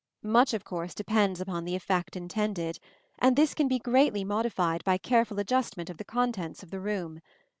Much of course depends upon the effect intended; and this can be greatly modified by careful adjustment of the contents of the room.